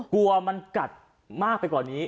กลัวมันกัดมากไปกว่านี้